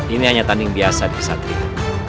ini hanya tanning biasa di saat ini